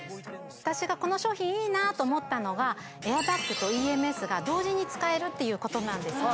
私がこの商品いいなと思ったのがエアバッグとＥＭＳが同時に使えるっていうことなんですね